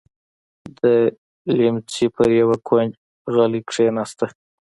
د ليمڅي پر يوه کونج غلې کېناسته.